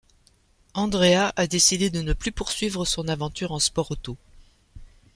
Andrea a décidé de ne plus poursuivre son aventure en sport-auto.